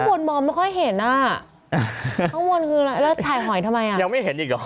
คนมองไม่ค่อยเห็นอ่ะข้างบนคืออะไรแล้วถ่ายหอยทำไมอ่ะยังไม่เห็นอีกหรอ